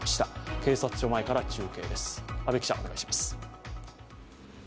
警察署前から中継です。